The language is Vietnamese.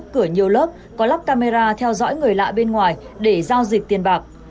cửa nhiều lớp có lắp camera theo dõi người lạ bên ngoài để giao dịch tiền bạc